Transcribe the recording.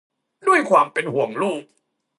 ด้วยความเป็นห่วงลูก